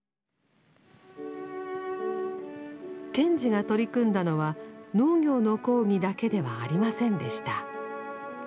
賢治が取り組んだのは農業の講義だけではありませんでした。